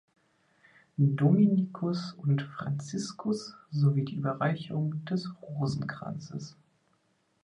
Dominikus und Franziskus sowie die Überreichung des Rosenkranzes.